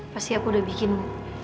pasti aku udah bikinmu